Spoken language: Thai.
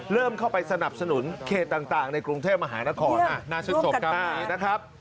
เริ่มเข้าไปสนับสนุนเขตต่างในกรุงเทพมหานครนะครับ